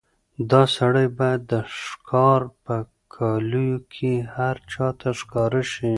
دا سړی باید د ښکار په کالیو کې هر چا ته ښکاره شي.